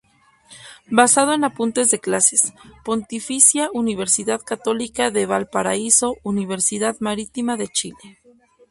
Basado en Apuntes de clases, Pontificia Universidad Católica de Valparaíso, Universidad Marítima de Chile